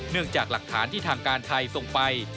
จากหลักฐานที่ทางการไทยส่งไป